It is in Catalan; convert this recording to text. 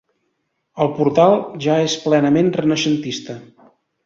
El portal ja és plenament renaixentista.